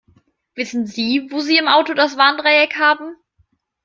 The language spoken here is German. Wissen Sie, wo Sie im Auto das Warndreieck haben?